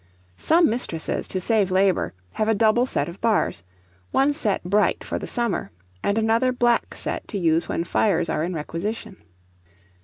(Some mistresses, to save labour, have a double set of bars, one set bright for the summer, and another black set to use when fires are in requisition.)